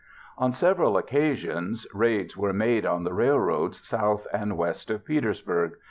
On several occasions raids were made on the railroads south and west of Petersburg.